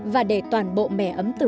và để toàn bộ mẻ ấm tự nhiên